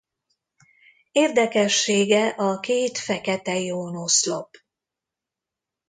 Érdekessége a két fekete ión oszlop.